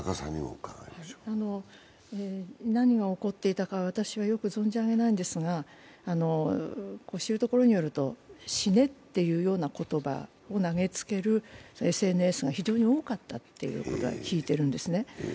何が起こっていたか、私はよく存じあげないんですが知るところによると「死ね」っていうような言葉投げつけることがＳＮＳが非常に多かったということは聞いているんですね。